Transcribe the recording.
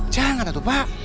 jangan atuh pak